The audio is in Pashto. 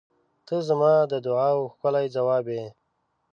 ته زما د دعاوو ښکلی ځواب یې.